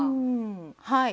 はい。